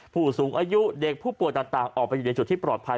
ผู้สูงอายุเด็กผู้ป่วยต่างออกไปอยู่ในจุดที่ปลอดภัย